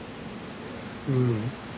うん。